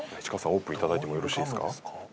オープン頂いてもよろしいですか？